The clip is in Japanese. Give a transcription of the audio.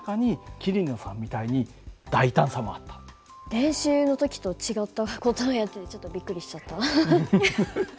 練習の時と違った事をやっててちょっとびっくりしちゃった。